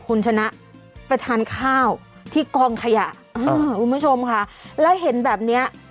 คุณชนะไปทานข้าวที่กองขยะคุณผู้ชมค่ะแล้วเห็นแบบเนี้ย